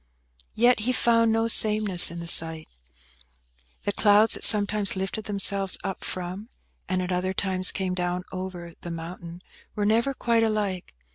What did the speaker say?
Yet he found no sameness in the sight. The clouds that sometimes lifted themselves up from, and at other times came down over, the mountain, were never quite alike.